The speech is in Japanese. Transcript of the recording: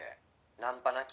ナンパなき